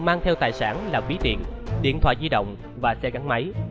mang theo tài sản là ví điện thoại di động và xe gắn máy